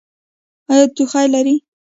ایا ټوخی لرئ؟